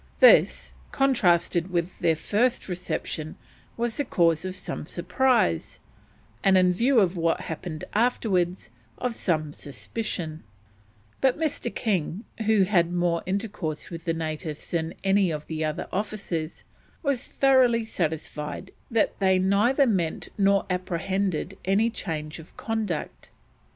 This, contrasted with their first reception, was the cause of some surprise, and, in view of what happened afterwards, of some suspicion; but Mr. King, who had more intercourse with the natives than any of the other officers, was thoroughly satisfied that "they neither meant nor apprehended any change of conduct."